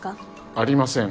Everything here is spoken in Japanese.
ありません。